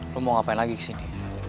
lo mau ngapain lagi kesini